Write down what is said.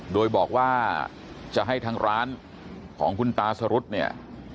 โดยบอกว่าจะให้ทางร้านของคุณตาสรุธเนี่ย